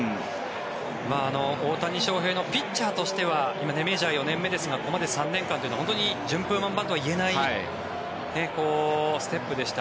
大谷翔平のピッチャーとしては今、メジャー４年目ですがここまでの３年間は本当に順風満帆とは言えないステップでした。